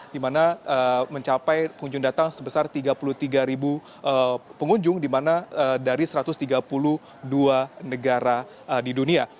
di mana mencapai pengunjung datang sebesar tiga puluh tiga pengunjung di mana dari satu ratus tiga puluh dua negara di dunia